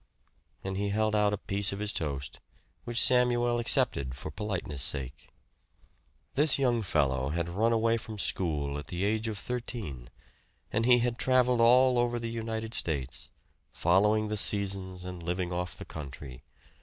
And he held out a piece of his toast, which Samuel accepted for politeness' sake. This young fellow had run away from school at the age of thirteen; and he had traveled all over the United States, following the seasons, and living off the country.